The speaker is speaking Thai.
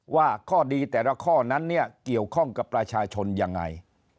ว่าข้อดีแต่ละข้อนั้นเนี่ยเกี่ยวข้องกับประชาชนยังไง